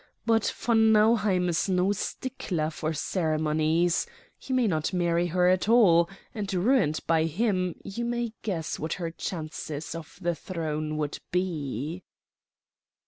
But von Nauheim is no stickler for ceremonies. He may not marry her at all; and, ruined by him, you may guess what her chances of the throne would be."